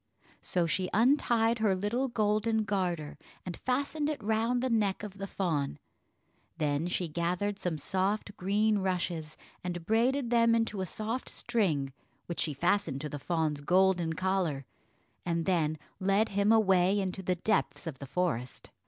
So she untied her little golden garter and fastened it round the neck of the fawn; then she gathered some soft green rushes, and braided them into a soft string, which she fastened to the fawn's golden collar, and then led him away into the depths of the forest.